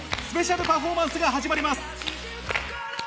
スペシャルパフォーマンスが始まります。